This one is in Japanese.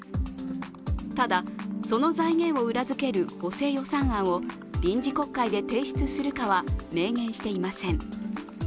ただ、その財源を裏付ける補正予算案を臨時国会で提出するかは明言していません。